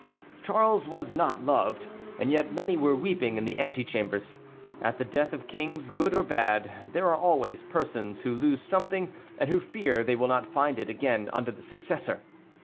Charles was not loved, and yet many were weeping in the antechambers. At the death of kings, good or bad, there are always persons who lose something and who fear they will not find it again under the successor.